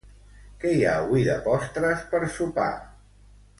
Què hi ha avui de postres per sopar?